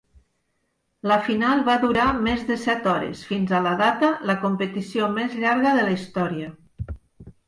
La final va durar més de set hores, fins a la data, la competició més llarga de la història.